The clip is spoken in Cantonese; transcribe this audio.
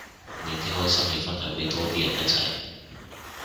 你啲開心要分享俾多啲人一齊